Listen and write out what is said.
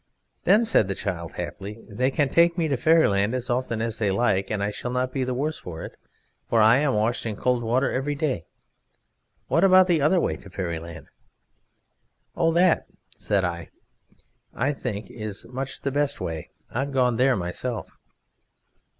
"Then," said the child happily, "they can take me to Fairyland as often as they like, and I shall not be the worse for it, for I am washed in cold water every day. What about the other way to Fairyland?" "Oh that," said I, "that, I think, is much the best way; I've gone there myself."